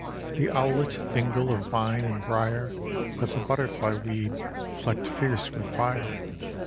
The owlet dingle of vine and brier, That the butterfly weed flecked fierce with fire.